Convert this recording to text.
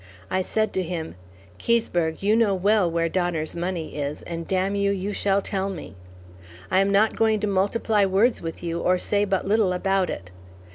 I said to him, "Keseberg, you know well where Donner's money is, and damn you, you shall tell me! I am not going to multiply words with you or say but little about it.